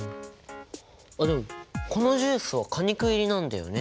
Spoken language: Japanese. あっでもこのジュースは果肉入りなんだよね。